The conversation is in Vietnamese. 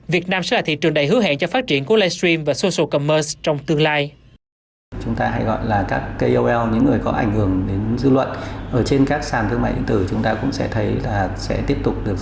việt nam sẽ là thị trường đầy hứa hẹn cho phát triển của live stream và social commerce trong tương lai